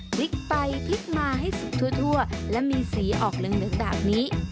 พลิกไปพลิกมาให้สุกทั่วและมีสีออกลึกแบบนี้